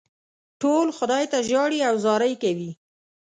ټول خدای ته ژاړي او زارۍ کوي.